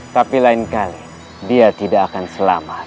tapi lain kali dia tidak akan selamat